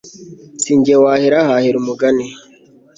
si nge wahera hahera umugani